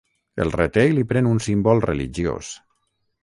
El reté i li pren un símbol religiós.